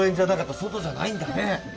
外じゃないんだね。